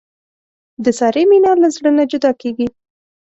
د سارې مینه له زړه نه جدا کېږي.